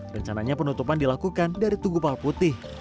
rencananya penutupan dilakukan dari tugu palputih